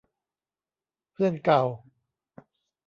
เพื่อนเก่า